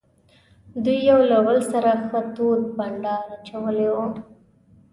دوی یو له بل سره ښه تود بانډار اچولی وو.